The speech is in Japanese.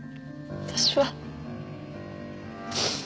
私は。